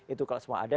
itu kalau semua ada